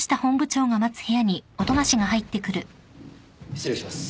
・失礼します。